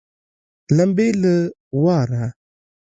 لمبې له واره